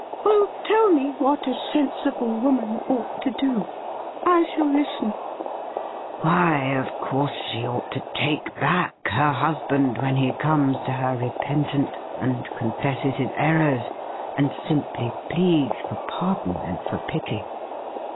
' Well, tell me what a sensible woman ought to do. I shall listen." ' Why, of course, she ought to take back her husband when he comes to her repentant, and confesses his errors, and simply pleads for pardon and for pity.